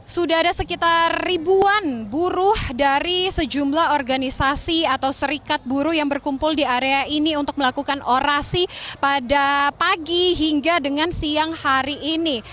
sudah ada sekitar ribuan buruh dari sejumlah organisasi atau serikat buruh yang berkumpul di area ini untuk melakukan orasi pada pagi hingga dengan siang hari ini